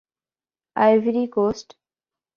Ivory Coast